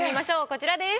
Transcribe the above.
こちらです。